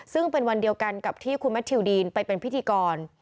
ซึ่งเป็นวันเดียวกันกับที่คุณแมททิวดีนไปเป็นพิธีกร